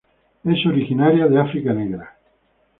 Es originaria de África negra.